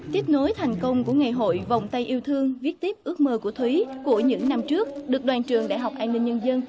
tiếp nối thành công của ngày hội vòng tay yêu thương viết tiếp ước mơ của thúy của những năm trước được đoàn trường đại học an ninh nhân dân